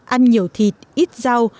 ăn nhiều thịt ít rau